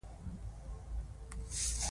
په ځان باور زده کېدلای شي.